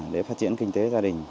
để phát triển kinh tế gia đình